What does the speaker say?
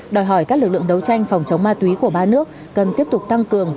đòi hỏi các lực lượng đấu tranh phòng chống ma túy của ba nước cần tiếp tục tăng cường